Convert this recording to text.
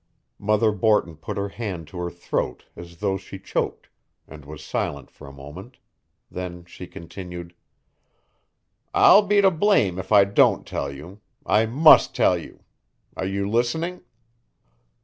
Mother Borton put her hand to her throat as though she choked, and was silent for a moment. Then she continued: "I'll be to blame if I don't tell you I must tell you. Are you listening?"